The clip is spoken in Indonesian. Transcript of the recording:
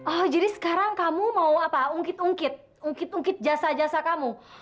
oh jadi sekarang kamu mau ungkit ungkit ungkit ungkit jasa jasa kamu